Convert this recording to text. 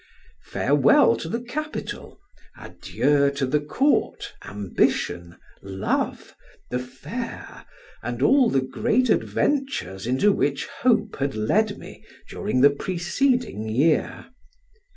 Farewell to the capital; adieu to the court, ambition, love, the fair, and all the great adventures into which hope had led me during the preceding year!